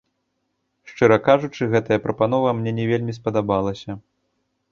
Шчыра кажучы, гэтая прапанова мне не вельмі спадабалася.